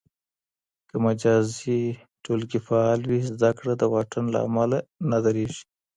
که مجازي ټولګي فعال وي، زده کړه د واټن له امله نه درېږي.